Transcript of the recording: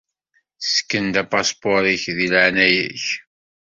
Ssken-d apaspuṛ-ik deg leɛnaya-k.